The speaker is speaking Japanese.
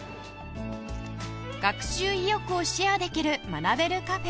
学習意欲をシェアできる学べるカフェ